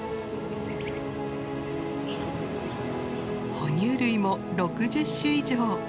哺乳類も６０種以上。